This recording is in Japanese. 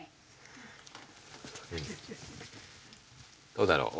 どうだろう？